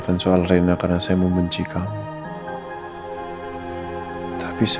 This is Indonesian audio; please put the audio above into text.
kita akan keluar